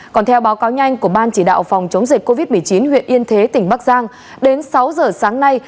còn theo báo cáo nhanh của ban chỉ đạo phòng chống dịch covid một mươi chín huyện yên thế tỉnh bắc giang đến sáu giờ sáng nay